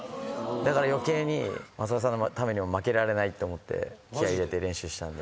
だから余計に雅和さんのためにも負けられないって思って気合入れて練習したんで。